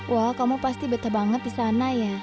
wah kamu pasti betah banget di sana ya